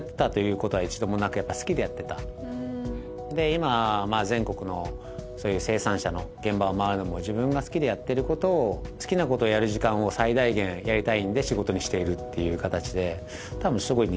今は全国の生産者の現場を回るのも自分が好きでやってることを好きなことをやる時間を最大限やりたいんで仕事にしている。